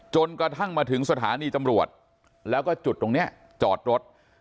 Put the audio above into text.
จนกระทั่งมาถึงสถานีตำรวจแล้วก็จุดตรงนี้จอดรถ